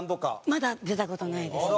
まだ出た事ないですね。